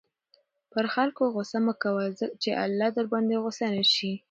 پر خلکو غصه مه کوه چې اللهﷻ درباندې غصه نه شي.